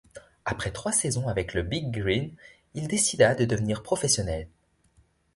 Après trois saisons avec le Big Green, il décida de devenir professionnel.